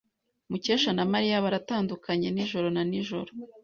Mukesha na Mariya baratandukanye nijoro na nijoro.